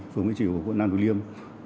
phương mỹ chỉ của quận nam tử liêm